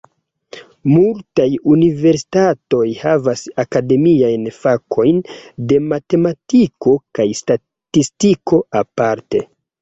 Multaj universitatoj havas akademiajn fakojn de matematiko kaj statistiko aparte.